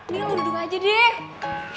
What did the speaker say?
nih lo duduk aja deh